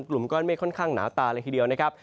กลุ่มก้อนเมฆค่อนข้างหนาตาเลยทีเดียวนะครับ